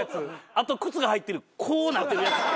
あと靴が入ってるこうなってるやつ。